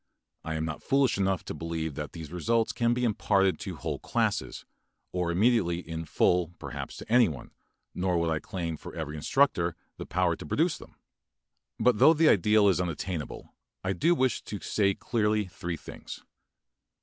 I am not foolish enough to believe that these results can be imparted to whole classes, or immediately in full perhaps to anyone, nor would I claim for every instructor the power to produce them. But though the ideal is unattainable, I do wish to say clearly three things.